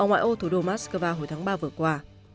ngoài ô thủ đô moscow hồi tháng ba vừa qua